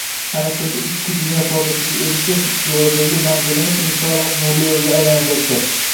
Ana shunda ikki dunyo saodatiga erishish yo‘lidagi manzilimiz inshaalloh nurli yo‘lga aylanajakdir!